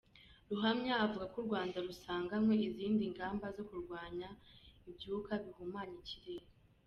Ruhamya avuga ko u Rwanda rusanganywe izindi ngamba zo kurwanya ibyuka bihumanya ikirere.